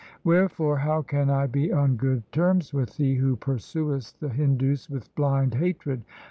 Wherefore how can I be on good terms with thee who pursuest the Hindus with blind hatred